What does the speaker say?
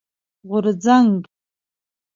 غورځنګ